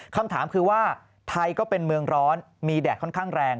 คำถามคือว่าไทยก็เป็นเมืองร้อนมีแดดค่อนข้างแรง